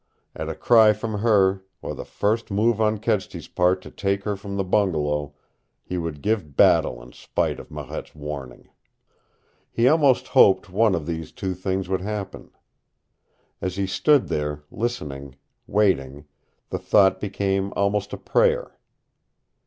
At a cry from her, or the first move on Kedsty's part to take her from the bungalow, he would give battle in spite of Marette's warning. He almost hoped one of these two things would happen. As he stood there, listening, waiting, the thought became almost a prayer.